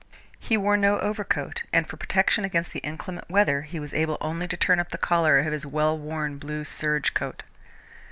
He wore no overcoat, and for protection against the inclement weather he was able only to turn up the collar of his well worn blue serge coat.